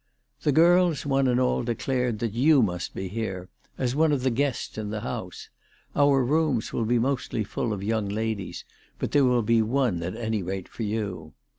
" The girls one and all declared that you must be here, as one of the guests in the house. Our rooms will be mostly full of young ladies, but there will be one at any rate for you.